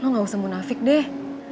oh gak usah munafik deh